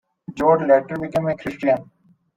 Joad later became a Christian.